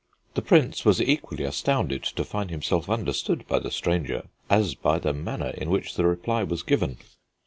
The Prince was equally astounded to find himself understood by the stranger as by the manner in which the reply was given.